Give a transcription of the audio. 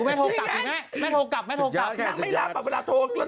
อายะหนูต้องโทรกลับเลยไงไม่โทรกลับ